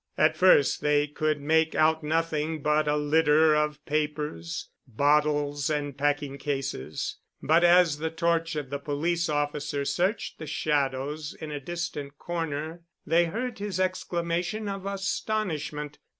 At first they could make out nothing but a litter of papers, bottles and packing cases, but as the torch of the police officer searched the shadows in a distant corner, they heard his exclamation of astonishment.